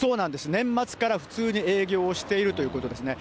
年末から普通に営業をしているということですね。